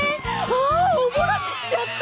あーお漏らししちゃった！